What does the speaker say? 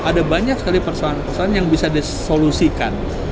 ada banyak sekali persoalan persoalan yang bisa disolusikan